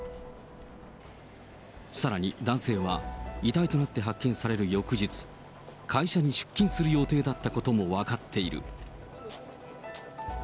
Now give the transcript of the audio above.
さらに男性は、遺体となって発見される翌日、会社に出勤する予定だったことも分かっている。